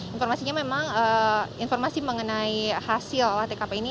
informasinya memang informasi mengenai hasil olah tkp ini